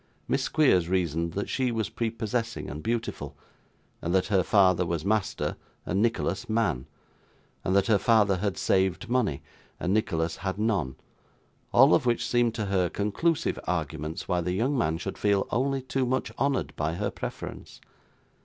Miss Squeers reasoned that she was prepossessing and beautiful, and that her father was master, and Nicholas man, and that her father had saved money, and Nicholas had none, all of which seemed to her conclusive arguments why the young man should feel only too much honoured by her preference.